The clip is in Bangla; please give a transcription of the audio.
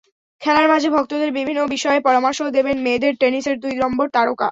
খেলার মাঝে ভক্তদের বিভিন্ন বিষয়ে পরামর্শও দেবেন মেয়েদের টেনিসের দুই নম্বর তারকা।